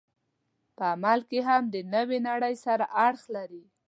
په عمل کې هم د نوې نړۍ سره اړخ لري.